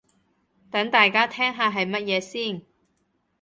等大家聽下係乜嘢先